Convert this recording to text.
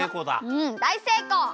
うんだいせいこう！